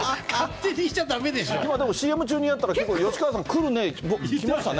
今、でもＣＭ中にやったら、吉川さん、くるねぇー、きましたね。